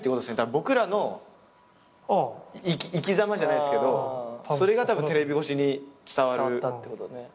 僕らの生きざまじゃないっすけどそれがたぶんテレビ越しに伝わるってことっすよね。